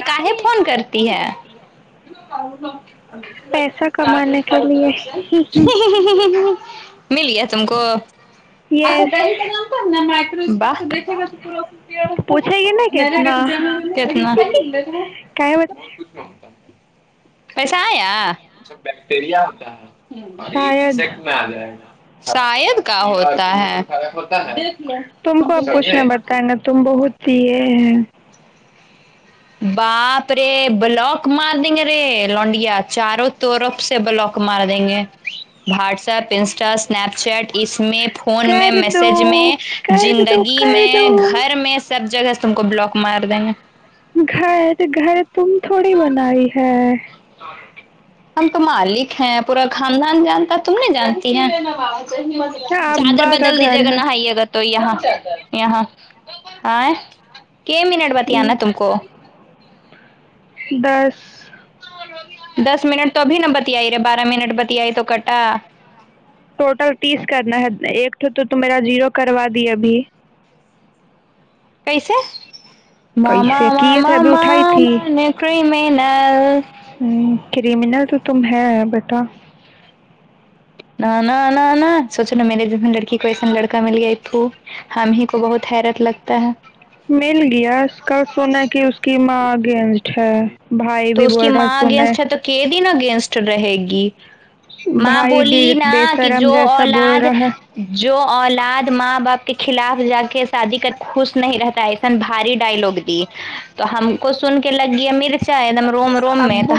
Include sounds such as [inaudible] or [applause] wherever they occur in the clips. کاری کاہے فون کرتی ہے کمانے کے لیے [unintelligible] مل گیا تم کو یس س دیکھے گا پوچھے گی نا کتنا تو [unintelligible] کیا بت بہت کچھ میں شاید [unintelligible] اشائد کا ہوتا ہے ہوتا ہے تم کو اب کچھ نہ بتائے نا تم بہت پیے ہیں باپ رے بلاک مار دیں گے رے لونڈیا چاروں طرف سے بلاک مار دیں گے WhatsApp Insta Snapchat snap phone میں کر میسج میں دو کر دو زندگی کر میں دو گھر میں سب جگہ سے تم کو بلاک مار دیں گے گھر گھر تم تھوڑی بنائی ہے ہم تو مالک ہیں پورا خاندان جانتا تم نہیں جانتی ہیں چادر ابا کا بدل گھر دیجے گا ہے نہا یہ گا تو یہاں یہاں کے مینٹ بتیائی نہ تم کو دس دس منٹ تو ابھی نہ بتیائی رہے بارہ منٹ بتیائی تو کٹا ٹوٹل تیس کرنا ہے ایک تھے تو میرا زیرو کروا دی ابھی کیسے ماما کیسے کیے تھے ماما ابھی اٹھائی تھی مانان کرمینل ہوں کریمینل تو تم ہے بیٹا نہ نہ نہ نہ سوچو نا میرے لڑکی کو ایسا لڑکا مل گیا ا توو ہم ہی کو بہت حیرت لگتا ہے مل گیا اس کال سنا کہ اس کی ماں اگینسٹ ہے بھائی تو بھی اس بول کی رہا ماں سنا اگینسٹ ہے تو کی دن اگینسٹ رہے گی ماں بھائی بھی بولی نا بے کہ شرم جو جیسا بول اولاد رہا ہے جو اولاد ماں باپ کے خلاف جا کے شادی کر خوش نہیں رہتا اس بھاری ڈائلگ دی تو ہم کو سن کے لگ گئی ا مر شا ادم رم روم میںت ابو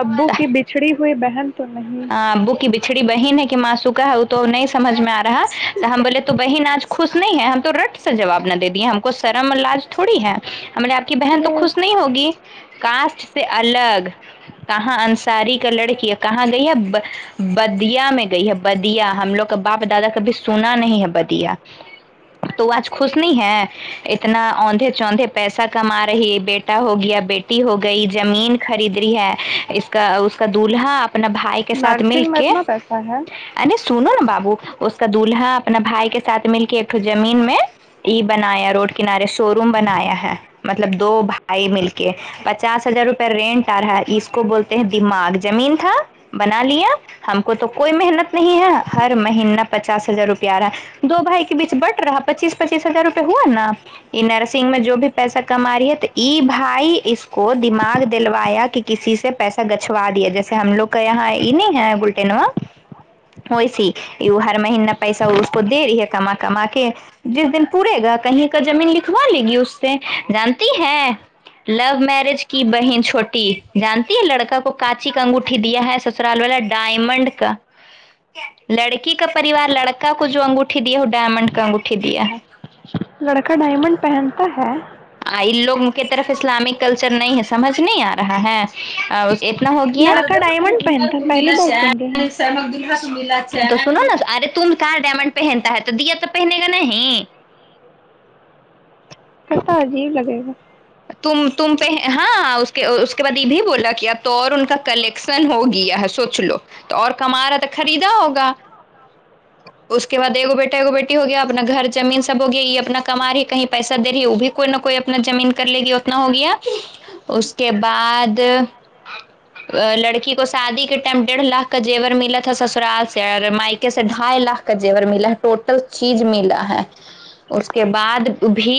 ابو کی بچھڑی ہوئی بہن تو نہیں ابو کی بھچڑی بہن ہے کہ ماں سوکا ہو نہیں سمجھ میں آ رہا تو ہم بولے تو بہن آج خوش نہیں ہے ہم تو رٹ سے جواب نہ دے دیے ہم کو سرم اور لج تھوڑی ہے ہم نے آپ کی بہن تو خوش یہ نہیں ہوگی کاسٹ سے الگ کہاں انصاری کا گئی ہے بدیا میں گئی ہے بدیا ہم لوگ کا باپ دادا کبھی سنا نہیں ہے بدیا تو آج خوش نہیں ہے اتنا اندھے چوندھے پیسہ کما رہی بیٹا ہو گیا بیٹ ہو گئی جمین خرید رہی ہے اس کا اس کا دولہا اپنا بھائی کے ساتھ مل نرسنگ میں کے اتنا پیسہ ہے نی سنو نا بابو اس کا دولہا اپنا بھائی کے ساتھ مل کے ایکٹ زمین میں ای بنایا روڈ کنارے شو روم بنایا ہے مطلب دو آائی مل کے پچاس ہزار روپئے رینٹ آ رہا ہے اس کو بولتے ہیں دماغ زمین تھا بنا لیا ہم کو تو کوئی محنت نہیں ہے ہر مہینہ پچاس ہزار روپیہ آ رہا ہے دو بھائی کے بیچ بٹ رہا پچیس پچیس ہزار روپئے ہوا نا یہ نرسنگ میں جو بھی پیسہ کما رہی ہے تو ای بھائی اس کو دماغ دلوایا کہ کسی سے پیسہ گچوا دیا جیسے ہم لوگ کا یہاں یہ نہیں ہے گلٹینوا ویسی ہر مہینہ پیسہ اس کو دے رہی ہے کما کما کے جس دن پورے گا کہیں کا زمین لکھوا لے گی اس سے جانتی ہے لاؤ میرج کی بہن چھوٹی جانتی ہے لڑکا کو کاچی کا انگوٹا دیا ہے سسرال والا ڈائمنڈ کا لڑکی کا پریوار لڑکا کو جو انگوٹھی دیا وہ ڈائمنڈ کا انگوٹھی دیا ہے لڑکا ڈائمنڈ پہنتا ہے ان لوگ کی طرف اسلامک کلچر نہیں ہے سمجھ نہیں آ رہا ہے اتنا ہوگیار لڑکا ڈائمنڈ پہنتا ہے پہلی بار م سن رہے تو ہیں سنو نا ارے تم کہاں ڈائمنڈ پہنتا ہے تو دیا تو پہنے گا نہیں کتا عجیب لگے گا تم پہ ہاں اس کے بعد یہ بھی بولا کیا تو اور ان کا کر سن ہوگی سوچ لو تو اور کم رہا تو خریدا ہوگا اس کے بعد ایکگو بیٹا ایکو بیٹی ہو گیا اپنا گھر زمین سب ہو گیا یہ اپنا کما رہی کہیں پیسہ رہی وہ بھی کوئی نہ کوئی اپنا زمین کر لے گی اتنا ہو گیا اس کے بعد ہ لڑکی کو شادی کے ٹائم ڈیڑھ لاکھ کا جیور ملا تھا سسرال سے اور مائکے سے ڈھائی لاکھ کا جیور ملا ہے ٹوٹل چیز ملا ہے اس کے بعد بھی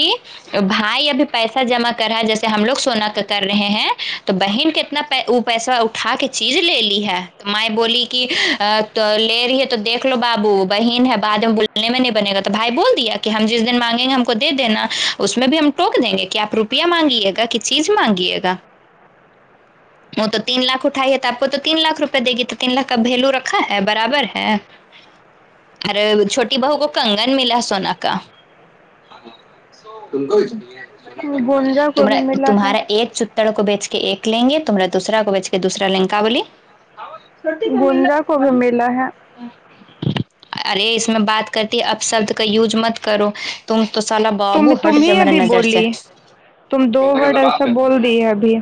بھائی ابھی پیسہ جمع کر رہا ہے جیسے ہم لوگ سونا کا کر رہے ہیں تو بہن کتنا پ اوپر پیسہ اٹھا کے چیز لے لی ہے تو م بولی کہ لے رہی تو دیکھ لو بابو بہن ہے بع میں بولنے میں نہیں بنے گا تو بھائی بول دیا کہ ہم جس دن مانگیں گے ہم کو دے دینا اس میں بھی ہم ٹوک دیں گے کہ آپ روپیہ مانگیے گا کہ چیز مانگیے گا [unintelligible] وہ تو تین لاکھ اٹھائی ہےے تو آپ کو تو تین لاکھ روپئے دے گی تو تین لاکھ کا ولو رکھا ہے برابر ہے ہی اور چھوٹی بہو کو کنگن ملا سونا کا گونجا کو بھی ملا ہے تمہارا ایک تڑ کو بیچ کے ایک لیں گے تما دوسرا کو بیچ کے دوسرا لینک بول لی چھوٹی کو مل ہے گونجا تو کو بھی بڑی ملا ہے ارے اس میں بات کرتی اب شبد کا یوز مت کرو تم تو سال تو تمیں ابھی بولی تم دو ورڈ ایسا بول دی ابھی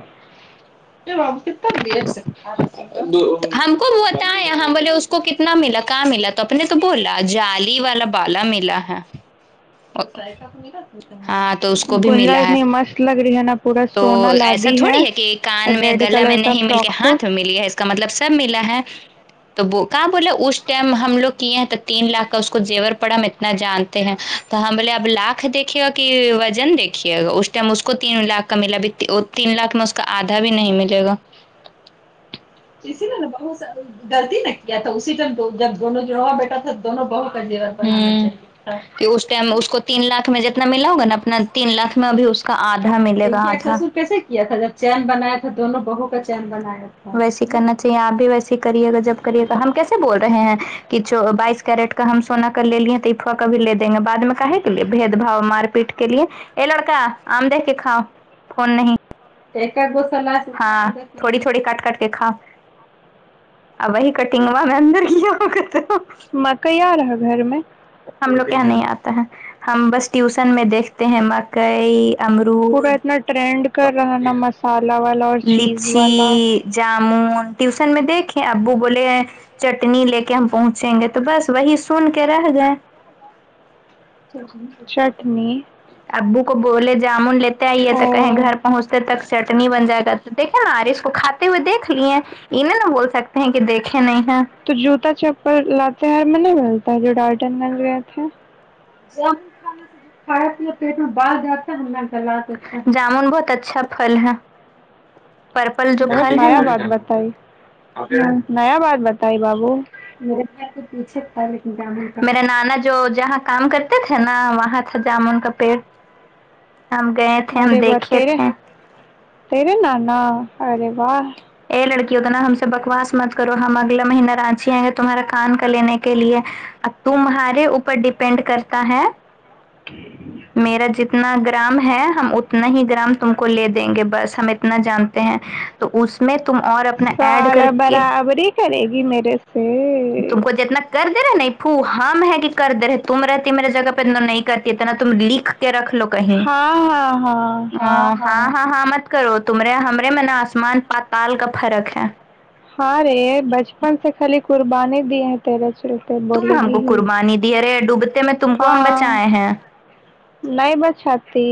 تب لی سکتے [inaudible] ہم کو بتا ہے بولے اس کو کتنا ملا کہاں ملا تو اپ نے تو بولا جالی والا بالا ملا ہے ہاں تو اس کو بھی گونجا ملا ہے اتنی مست لگ رہی ہے نا پورا تو سونا ایسا لادی تھوڑی ہے کہ کان میں ریڈ گلا کلر میں کا نہیں مل کے فراک ہاتھ سوٹ میں ملی ہے اس کا مطلب سب ملا ہے تو کہاں بولے اس ٹائم ہم لوگ کیے ہیں تو تین لاکھ کا اس کو زیور پڑا ہم اتنا جانتے ہیں تو ہاں بولے اب لاکھ دیکھیے گا کہ وزن دیکھیے گا اس ٹائم اس کو تین لاکھ کا ملا اب تین لاکھ میں اس کا آدھا بھی نہیں ملے گا اسسی نا بہت غلطی نہ کیا تھا اسی ٹائم پے جب دونوں جڑواں بیٹا تھا دونوں بہ کا جیور ہاں اس کو تین لاکھ میں جتنا ملا ہوگا نا اپنا تین لاکھ میں ا بھی اس کا آدھا ملے گاھا تھا جب چین بنایا تھا دونوں بہوں کا چین بنایا تھا ویسیے کرنا چاہیے آپ بھی ویسیے کریے گا جب کرے گا ہم کیسے بول رہے ہیں کہچ بائیس کیرٹ کا ہم سونا کا ل لیے تو افوا کا بھی لے دیں گے بد میں کا کے لیے بھید بھاؤ مار پیٹ کے لیے ا لڑکا آم دہ کے کاؤ فون نہیں ہاں تھوڑی تھوڑی کٹ کر کے کھا [unintelligible] مکیا رہا گھر میں ہم لوگ یہاں نہیں آتا ہے ہم بس ٹیوشن میں دیکھتے ہیں مکئی پورا امرد اتنا ٹرینڈ کر رہا نا مسالہ والا اور چیز والا لچی جامن ٹیوشن میں دیک ابو بول چٹنی لے کے ہم پہنچیں گے تو بس وہی سن کے رہ گیں ا [inaudible] چٹنی ابو کو بولے جامن لیتے آئیے تو کہیں اور گھر پہنچتے تک چٹنی بن جائے گا دیکھے نا آر اس کو کھاتے ہوئے دیکھ لیے انہیں نا بول سکتے ہیں کہ دیکھے نہیں ہے تو جوتا چپل لاتے ہر میں نہیں ملتا ہے جو ڈالٹن مل گئے تھے جن کھانا پیٹ میں بھ جاتا جامن بہت اچھا پھل ہے پرپل جو بہت پھل ہے نا نیا بات بتائی [unintelligible] نیا بات بتائی بابو میرے کے پیچھے تھا لیک میرا نانا جو جہاں کام کرتے تھے نا وہاں تھا جامن کا پیڑ ہم گئے تھے ہم دیکھے تھے تریےنا نا ارے واہ ا لڑکی ہو تو نا ہم سے بکواس مت کرو ہم اگلاے مہینہ رانچی آئیں گے تمہارا کان کا لینے کے لیے اب تمہارے اوپر ڈیپینڈ کرتا ہے میرا جتنا گرام ہے ہم اتنا ہی گرام تم کو لے دیں گے بس ہم نا جانتے ہیں تو اس میں تم اور اپنا ایڈ کر سالہ کے برابری کرے گی میرے سے تم کو جتنا کر د رہے نہیں پھو ہم ہے کہ کر دے رہے تم رہتی میرے جگہ پ نہیں کرتیتنا تم لکھ کے رکھ لو کہیں ہاں ہاں ہاں ہ ہاں ہاں ہاں مت کرو تمرے ہمارے من آسمان پاتال کا فرق ہے ہاں رے بچپن سے خالی قربانی دیے ہیں تیرے سلو تم ہم کو قربانی دی ارے ڈوبتے میں تم کو ہم ہاں بچائے ہیں نہیں بچاتی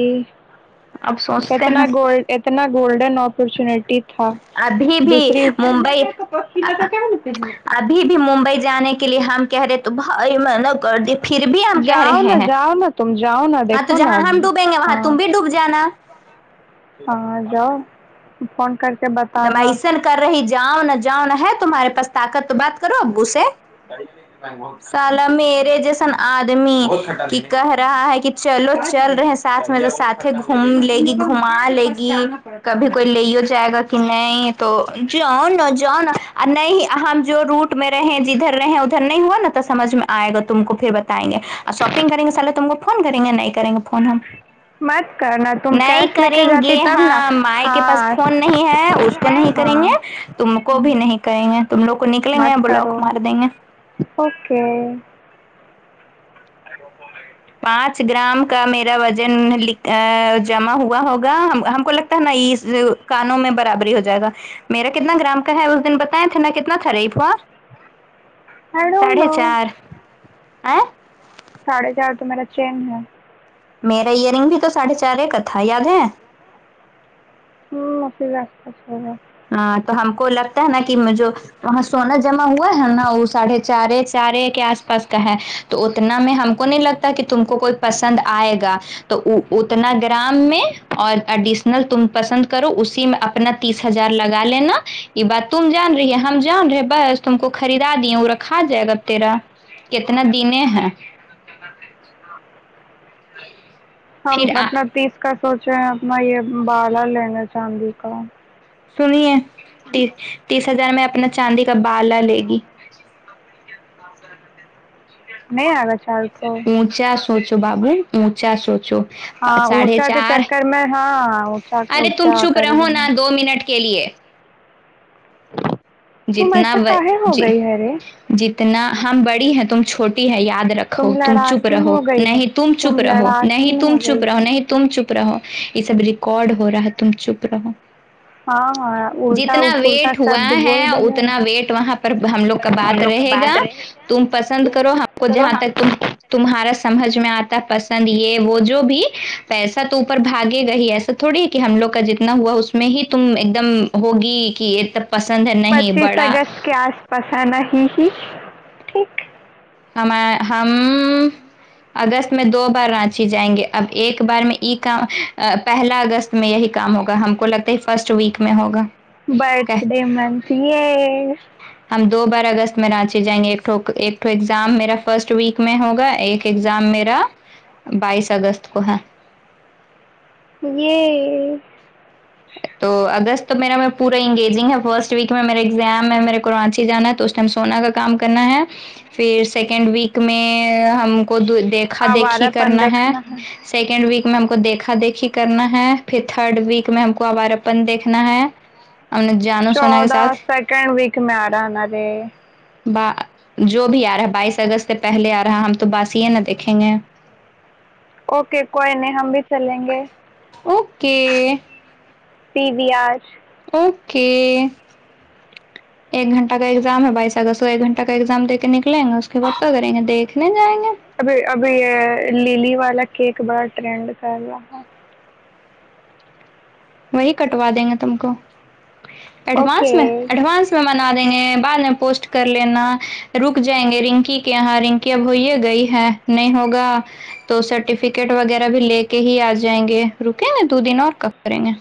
اب سوچتے اتنا ہیں گول اتنا گولڈن اپرچونیٹی تھا ابھی بھی دوسری ممبئی ابھی بھی ممبئی جانے کے لیے ہم کہہ رہے تو [unintelligible] پھر بھی ہم کہہ رہے جاؤ نا ہیں جاؤ نا تم جاؤ نا ہاں تو دیکھو نا جہاں ہم ڈوبیں گے وہاں ہاں تم بھی ڈوب جانا ہاں جاؤ [unintelligible] فون کر کے بتانا دمائسن کر رہی جاؤ نہ جاؤ نہ ہے تمہارے پاس طاقت تو بات کرو ابو سے سال میرے جیسن آدمی کہ کہہ رہا ہے کہ چلو چل رہے ساتھ میں لو ساتھ گھوم لے گی گھما لے گی کبھی کوئی لے ہو جائے گا تو کہ نہیں تو جان جان نہیں ہم جو روٹ میں رہ جدھر رہے نہیں ہوا نا تو سمج میں آئے گا تم کو پھر بتائیں گے اور شاپنگ کریں گے سلے تم کو فون کریں گے نہیں کریں گے فون ہم مت کرنا تم نہیں کیش لے کے کریں جاتی گے تب نا ہاں مائ کے پاس ہاں فون نہیں اس کو نہیں کریں ہاں گے تم کو بھی ہم، نہیں کریں گے تم لوگ کو نکلیں گے مت بلاک کرو مار دیں گے اوکے پانچ گرام کا میرا وزن جمع ہوا ہوگا ہم کو لگ ن اس کانوں میں برابری ہو جائے گا میرا کتنا گرام کا ہے اس دن بتاے تھا کتنا تھا ریپ ہوا آئی ڈونٹ ساڑھے نو چار ائ ساڑھے چار تو میرا چین ہے میرا ایئر رنگ بھی تو ساڑھے چار ہے کا تھا یاد ہے [unintelligible] ہاں تو ہم کو لگتا ہے نا کہ جو وہاں سونا جمع ہوا ہے نا وہ ساڑھے چار چار کے آس پاس کا ہے تو اتنا میں ہم کو نہیں لگتا کہ تم کو کوئی پسند آئے گا تو اتنا گرام میں اور اڈیشنل تم پسند کرو اسی میں اپنا تیس ہزار لگا لینا یہ بات تم جان رہی ہے ہم جان رہے بس تم کو خریدا دیے وہ رکھا جائے گا تیرا کتنا دن ہے ہم پھر آ... اپنا تیس کا سوچے ہیں اپنا یہ بالا لینا چاندی کا سنیے تیس تیس ہزار میں اپنا چاندی کا بالا لے گی [unintelligible] نہیں آگا چار تو اونچا سوچو بابو اونچا سوچو ہاں ساڑھے اونچا کے چار۔ چکر میں ہاں اونچا کے ارے تم اونچا چپ کر دا رہو نا دو منٹ کے لیے تم جتنا ایسا کاہے ہو جی گئی ہے رے جتنا ہم بڑی ہے تم چھوٹی ہے یاد رکھ تم چپ لڑاکن رہو ہو گئی ہے نہیں تم چپ رہو نہیں لڑاکن تم ہو چپ گئی رہو ہے نہیں تم تم چپ رہو یہ سب ریکارڈ ہو رہا ہے تم چپ رہو ہاں ہاں جتنا الٹا ویٹ سب ہوا ڈب ہے اتنا ویٹ وہاں پر ہم لوگ کا بات رہے گا تم پسند کرو ہم کو جہاں تک تم تمہارا سمجھ میں آتا پسند یہ وہ جو بھی پیسہ تو اوپر بھاگے گا ہی ایسا تو تھوڑی کہ ہم لوگ کا جتنا ہوا اس میں ہی تم ایک دم ہوگی کہ یہ تب پسند ہے نہیں پچیس بڑا اگست کے آس پاس آنا ہی ہی ٹھیک ہمے ہم اگست میں دو بار رانچی جائیں گے اب ایک بار میں ای کا پہلا اگست میں یہی کام ہوگا ہم کو لگتا ہے ہی فرسٹ ویک میں ہوگا کہ برتھ ڈے منتھ یے ہم دو بار اگست میں رانچی جائیں گے ایک توہ ایک توہ ایگزام میرا فرسٹ ویک میں ہوگا ایک ایگزام میرا بائیس اگست کو ہے یئے تو اگست تو میرا میں پورا انگیجنگ ہے فرسٹ ویک میں میرے ایگزام ہے میرے کو رانچی جانا ہے تو سونا کا کام کرنا ہے پھر سیکنڈ ویک میں ہم کو دو دیکھ دیکھا دیکھی آوارہ پن کرنا ہے دیکھنا سیکنڈ ویک میں ہم کو دیکھا دیکھی کرنا ہے پھر تھرڈ ویک میں ہم کو کو آوارا پن دیکھنا ہے نے جانو سونا کے چودہ ساتھ سیکنڈ ویک میں آ رہا ہے نا رے با جو بھی آ رہا ہے بائیس اگست سے پہلے آ رہا ہم تو باسی ہے نہ دیکھیں گے اوکے کوئی نہیں ہم بھی چلیں گے اوکے پی و آر اوکے ایک گھنٹہ کا ایگزام ہے بائیس اگست کو ایک گھنٹہ کا ایگزام دے کے نکلیں گے اس کے بعد کیا کریں گے دیکھنے جائیں گے ابھی ابھی یہ للی والا کیک بڑا ٹرینڈ کر رہا ہے وہی کٹوا دیں گے تم کو ایڈوانس اوکے میں ایڈوانس منا دیں گے بعد میں پوسٹ کر لینا رک جائیں گے رنکی کے یہاں رنکی اب ہوی ہے گئی ہے نہیں ہوگا تو سرٹیفکیٹ وغیرہ بھی لے کے ہی آ جائیں گے رکیں گے دو دن اور کا کریں گے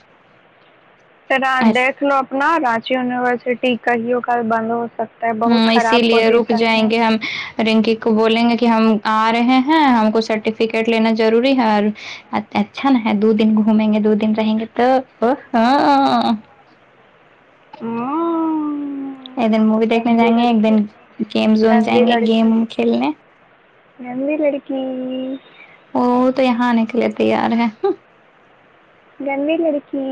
پھر آج ایسے دیکھ لو اپنا رانچی یونیورسٹی کہیں وہ کل بند ہو سکتا بہت ہاں خراب اسی لیے رک پوزیشن ہے جائیں گے ہم رنکی کو بولیں گے کہ ہم آ رہے ہیں ہم کو سرٹیفکیٹ لینا ضروری ہے اور اچ اچھا نا ہے دو دن گھومیں گے دو دن رہیں گے تو تو ہاں ہوں ایک دن مووی دیکھنے جائیں گے ایک لڑکی دن گیم زون گندی جائیں گے گیم لڑکی کھیلنے گندی لڑکی وہ تو یہاں آ نے کے لیے تیار ہے گندی لڑکی